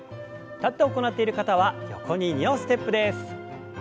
立って行っている方は横に２歩ステップです。